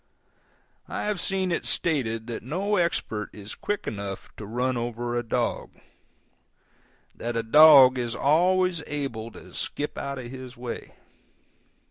I have seen it stated that no expert is quick enough to run over a dog; that a dog is always able to skip out of his way.